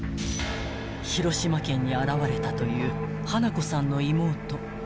［広島県に現れたという花子さんの妹］